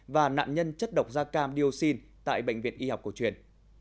và nạn nhân chất độc da cam dioxin tại bệnh viện y học cổ truyền